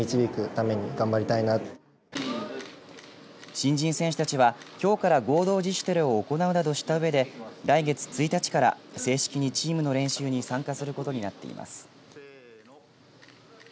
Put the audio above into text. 新人選手たちはきょうから合同自主トレを行うなどしたうえで来月１日から正式にチームの練習に参加することになっています。